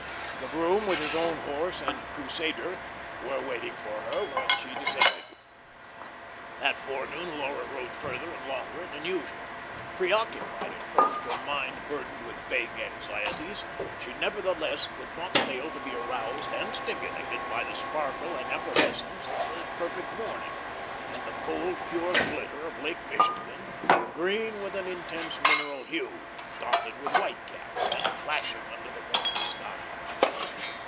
The groom with his own horse and "Crusader" were waiting for her when she descended. That forenoon Laura rode further and longer than usual. Preoccupied at first, her mind burdened with vague anxieties, she nevertheless could not fail to be aroused and stimulated by the sparkle and effervescence of the perfect morning, and the cold, pure glitter of Lake Michigan, green with an intense mineral hue, dotted with whitecaps, and flashing under the morning sky.